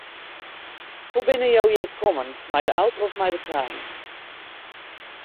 Hoe binne jo hjir kommen, mei de auto of mei de trein?